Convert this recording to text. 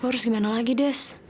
harus gimana lagi des